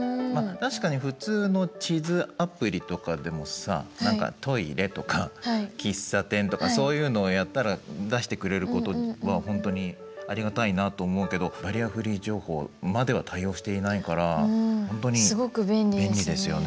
確かに普通の地図アプリとかでもさトイレとか喫茶店とかそういうのをやったら出してくれることはほんとにありがたいなと思うけどバリアフリー情報までは対応していないから本当に便利ですよね。